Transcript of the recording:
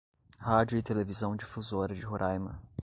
Rádio e Televisão Difusora de Roraima